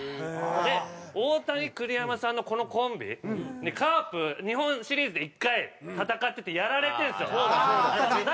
で大谷栗山さんのこのコンビにカープ日本シリーズで１回戦っててやられてるんですよ。